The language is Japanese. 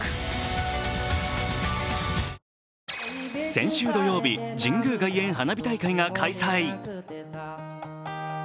先週土曜日、神宮外苑花火大会が開催。